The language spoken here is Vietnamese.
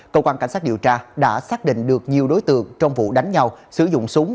cơ quan cảnh sát điều tra đã xác định được nhiều đối tượng trong vụ đánh nhau sử dụng súng